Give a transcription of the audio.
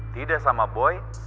tidak sama boy